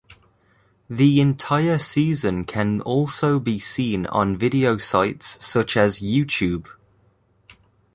The entire season can also be seen on video sites such as YouTube.